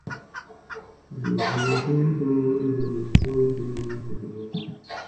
He then left the army and went up to Jesus College, Cambridge.